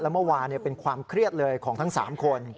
เมื่อวานเป็นความเครียดเลยของทั้ง๓คน